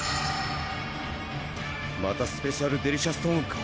またスペシャルデリシャストーンか！